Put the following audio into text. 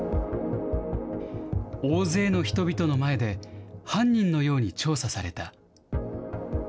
大勢の人々の前で犯人のように調査された。